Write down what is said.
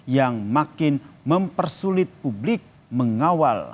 yang makin mempersulit publik mengawal